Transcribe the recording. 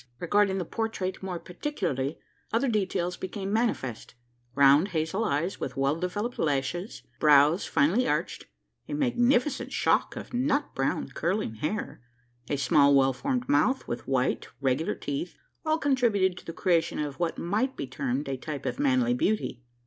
Regarding the portrait more particularly, other details became manifest: round hazel eyes, with well developed lashes; brows finely arched; a magnificent shock of nut brown curling hair; a small, well formed mouth, with white, regular teeth all contributed to the creation of what might be termed a type of manly beauty.